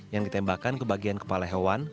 yang ditembakkan ke bagian kepala hewan